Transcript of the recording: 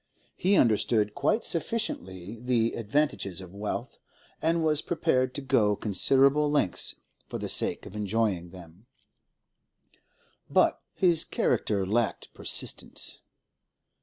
He understood quite sufficiently the advantages of wealth, and was prepared to go considerable lengths for the sake of enjoying them, but his character lacked persistence.